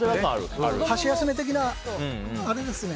箸休め的なものですね